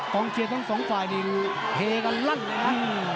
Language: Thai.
กองเชียร์ทั้งสองฝ่ายนี่เฮกลั่นนะครับ